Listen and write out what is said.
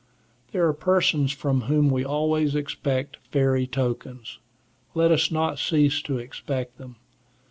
There are persons from whom we always expect fairy tokens; let us not cease to expect them.